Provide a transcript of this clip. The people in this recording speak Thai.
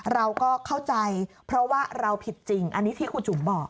เราก็เข้าใจเพราะว่าเราผิดจริงอันนี้ที่ครูจุ๋มบอก